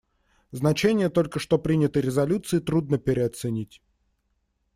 Значение только что принятой резолюции трудно переоценить.